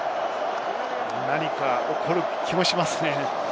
何か起こる気もしますね。